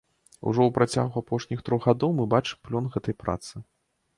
Ужо ў працягу апошніх трох гадоў мы бачым плён гэтай працы.